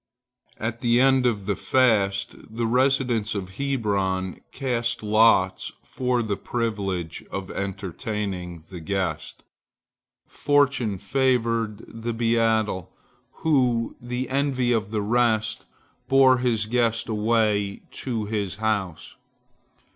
At the end of the fast, the residents of Hebron cast lots for the privilege of entertaining the guest. Fortune favored the beadle, who, the envy of the rest, bore his guest away to his house.